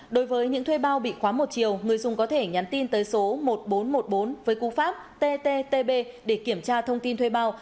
đối với những thuê bao bị khóa một chiều người dùng có thể nhắn tin tới số một nghìn bốn trăm một mươi bốn với cú pháp ttb để kiểm tra thông tin thuê bao